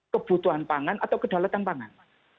kebutuhan pangan atau kedaulatan pangan